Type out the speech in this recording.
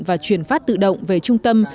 và truyền phát tự động về trung tâm